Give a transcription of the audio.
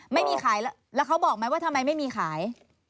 ไม่มีขายแล้วเขาบอกไหมว่าทำไมไม่มีขาย